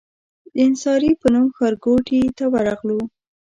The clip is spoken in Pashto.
د انصاري په نوم ښارګوټي ته ورغلو.